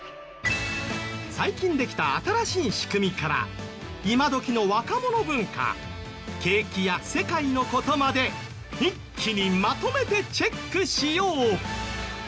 最近できた新しい仕組みから今どきの若者文化景気や世界の事まで一気にまとめてチェックしよう！